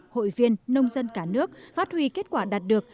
hội viên nông dân cả nước phát huy kết quả đạt được